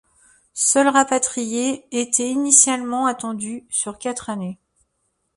Seuls rapatriés étaient initialement attendus, sur quatre années.